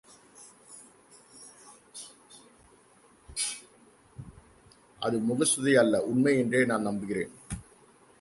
அது முகஸ்துதி அல்ல, உண்மை என்றே நான் நம்புகிறேன்.